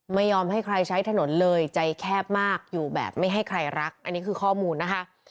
ไม่ยอมให้ใครใช้ถนนเลยใจแคบมากอยู่แบบไม่ให้ใครรักอันนี้คือข้อมูลนะคะ